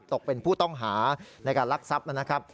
ตกเป็นผู้ต้องหาในการรักทรัพย์นะครับ